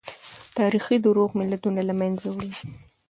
تاريخي دروغ ملتونه له منځه وړي.